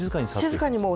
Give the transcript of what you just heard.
静かに。